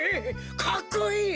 かっこいい？